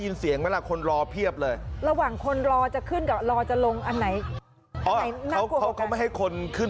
คยินเสียงเมื่ออคนรอเพียบเลย